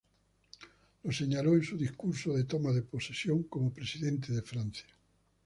Lo señaló en su discurso de toma de posesión como presidente de Francia.